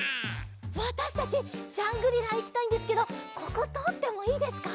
わたしたちジャングリラいきたいんですけどこことおってもいいですか？